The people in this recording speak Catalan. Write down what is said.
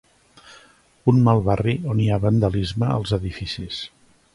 un mal barri on hi ha vandalisme als edificis